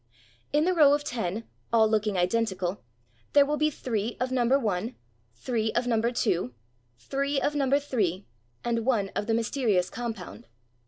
In the row of ten, all looking identical, there will be three of number one, three of mmiber two, three of number three, and one of the mysterious compound.